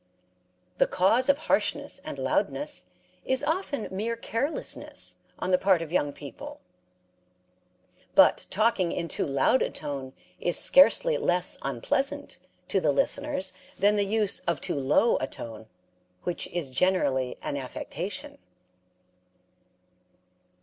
The cause of harshness and loudness is often mere carelessness on the part of young people. But talking in too loud a tone is scarcely less unpleasant to the listeners than the use of too low a tone, which is generally an affectation.